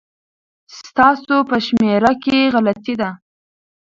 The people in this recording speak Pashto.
ستاسو په شمېره کي غلطي ده